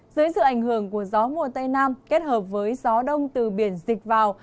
dưới sự ảnh hưởng của gió mùa tây nam kết hợp với gió đông từ biển dịch vào